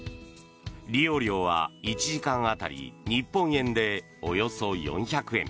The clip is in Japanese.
利用料は１時間当たり日本円でおよそ４００円。